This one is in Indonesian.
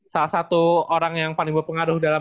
salah satu orang yang paling berpengaruh dalam